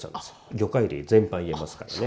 魚介類全般言えますからね。